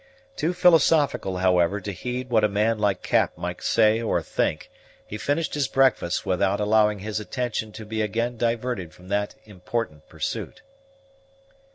Too philosophical, however, to heed what a man like Cap might say or think, he finished his breakfast, without allowing his attention to be again diverted from that important pursuit.